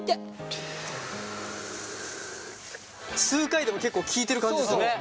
数回でも結構効いてる感じする。